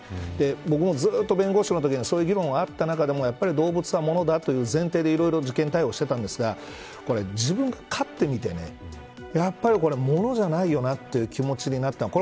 僕もずっと弁護士のときにそういう議論があった中でもやっぱり動物は物だ、という前提でいろいろ事件を対応していたんですが自分が飼ってみてやっぱりこれは物じゃないよなという気持ちになった。